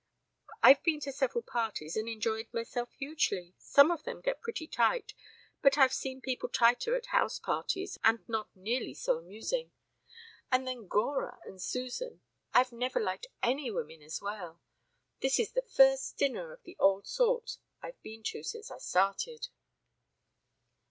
"I've been to several parties and enjoyed myself hugely. Some of them get pretty tight, but I've seen people tighter at house parties and not nearly so amusing. And then Gora and Suzan! I've never liked any women as well. ... This is the first dinner of the old sort I've been to since I started."